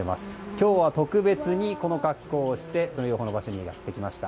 今日は特別にこの格好をしてこの場所にやってきました。